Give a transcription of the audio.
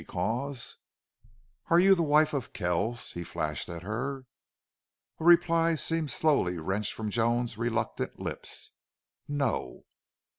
Because " "Are you the wife of Kells?" he flashed at her. A reply seemed slowly wrenched from Joan's reluctant lips. "No!"